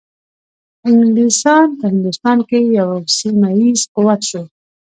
انګلیسان په هندوستان کې یو سیمه ایز قوت شو.